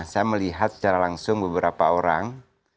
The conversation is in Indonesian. saya melihat secara langsung beberapa orang